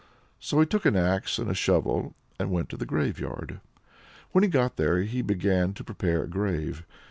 So he took an axe and a shovel, and went to the graveyard. When he got there he began to prepare a grave.